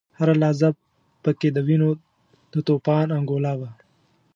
هره لحظه په کې د وینو د توپان انګولا وه.